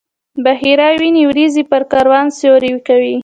بحیرا ویني وریځې پر کاروان سیوری کوي.